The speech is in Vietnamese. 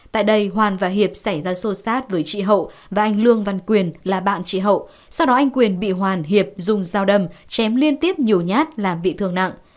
tại đây hoàn và hiệp xảy ra xô xát với chị hậu và anh lương văn quyền là bạn chị hậu sau đó anh quyền bị hoàn hiệp dùng dao đâm chém liên tiếp nhiều nhát làm bị thương nặng